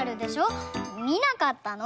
みなかったの？